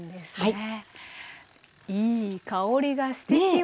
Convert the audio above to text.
いい香りがしてきました。